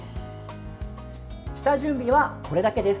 下準備はこれだけです。